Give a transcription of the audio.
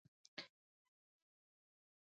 استنادي دیوال د اوبو یا خاورې د ښوېدلو مخه نیسي